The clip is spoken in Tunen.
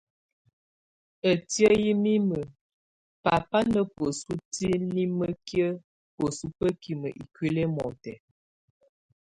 Ətiən yɛ mimə baba na bəsu tiniməki bəsu bəkimə ikuili ɛmɔtɛ.